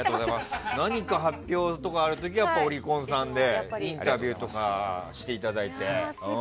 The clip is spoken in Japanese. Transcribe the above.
何か発表とかある時はオリコンさんでインタビューとかしていただいて。